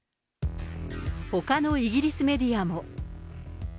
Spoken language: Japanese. ほかのイギリスメディアも。